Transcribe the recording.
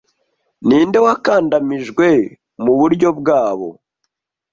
ninde wakandamijwe muburyo bwabo